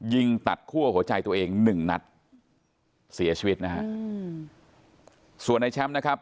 ยิงตัดคั่วหัวใจตัวเองหนึ่งนัดเสียชีวิตนะฮะอืมส่วนในแชมป์นะครับ